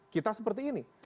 kita seperti ini